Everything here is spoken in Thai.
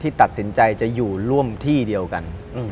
ตัดสินใจจะอยู่ร่วมที่เดียวกัน